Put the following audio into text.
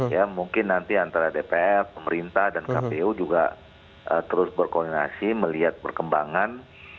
ya mungkin nanti antara dpr pemerintah dan kpu juga terus berkoordinasi melihat perkembangan